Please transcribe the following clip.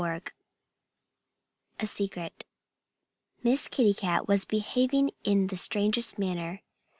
XXIII A SECRET MISS KITTY CAT was behaving in the strangest manner.